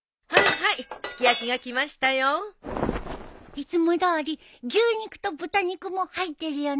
いつもどおり牛肉と豚肉も入ってるよね？